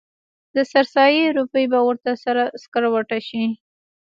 د سر سایې روپۍ به ورته سره سکروټه شي.